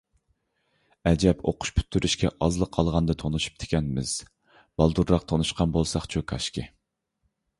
ئەجەب ئوقۇش پۈتتۈرۈشكە ئازلا قالغاندا تونۇشۇپتىكەنمىز، بالدۇرراق تونۇشقان بولساقچۇ كاشكى!